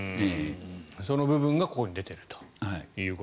その部分がここに出ていると。